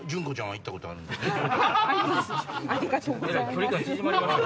距離感縮まりましたね。